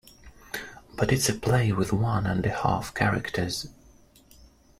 But it's a play with one and a half characters.